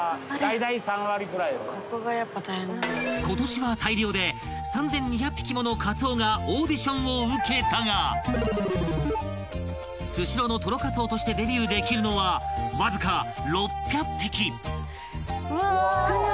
［今年は大漁で３，２００匹ものカツオがオーディションを受けたがスシローのとろかつおとしてデビューできるのはわずか６００匹］